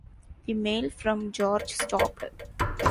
The mail from George stopped.